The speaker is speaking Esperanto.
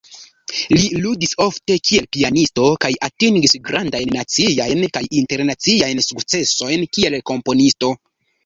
Li ludis ofte kiel pianisto kaj atingis grandajn naciajn kaj internaciajn sukcesojn kiel komponisto.